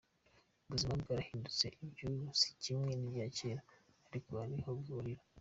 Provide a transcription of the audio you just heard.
Ubuzima bwarahindutse, iby’ubu si kimwe n’ibya kera ariko hari aho bihurira.